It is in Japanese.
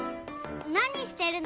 なにしてるの？